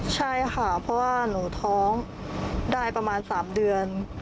ใช่ค่ะเพราะว่าหนูท้องได้ประมาณ๓เดือน